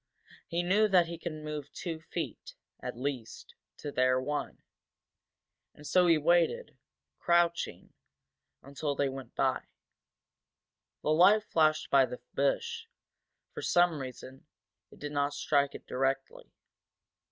He knew that he could move two feet, at least, to their one. And so he waited, crouching, until they went by. The light flashed by the bush, for some reason, it did not strike it directly.